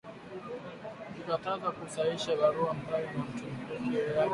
Inakatazwa ku sahini barua phali ya mutu peke yake